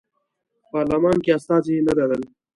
پارلمان کې استازي نه لرل.